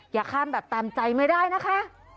อย่าข้ามแบบตามใจไม่ได้นะคะ